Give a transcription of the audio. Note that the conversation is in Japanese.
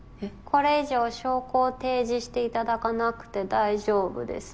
これ以上証拠を提示していただかなくて大丈夫です。